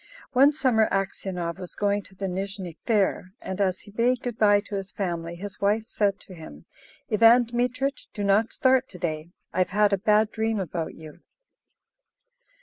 One summer Aksionov was going to the Nizhny Fair, and as he bade good bye to his family, his wife said to him, "Ivan Dmitrich, do not start to day; I have had a bad dream about you."